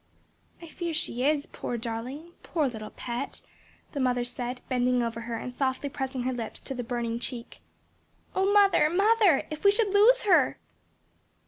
"I fear she is, poor darling! poor little pet!" the mother said, bending over her and softly pressing her lips to the burning cheek. "O mother, mother, if we should lose her!"